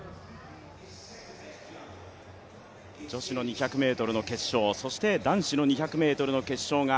女子の２００ｍの決勝、男子の２００ｍの決勝が